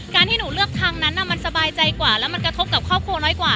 ที่หนูเลือกทางนั้นมันสบายใจกว่าแล้วมันกระทบกับครอบครัวน้อยกว่า